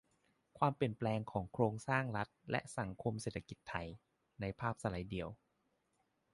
ความเปลี่ยนแปลงของโครงสร้างรัฐ และ สังคม-เศรษฐกิจไทย ในภาพสไลด์เดียว